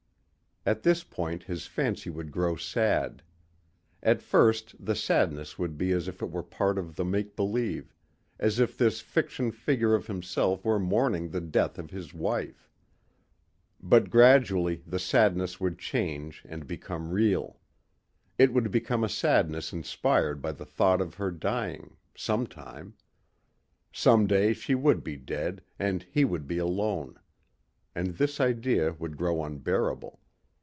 At this point his fancy would grow sad. At first the sadness would be as if it were part of the make believe as if this fiction figure of himself were mourning the death of his wife. But gradually the sadness would change and become real. It would become a sadness inspired by the thought of her dying ... sometime. Someday she would be dead and he would be alone. And this idea would grow unbearable.